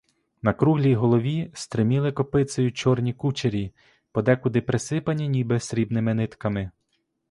На круглій голові стриміли копицею чорні кучері, подекуди присипані ніби срібними нитками.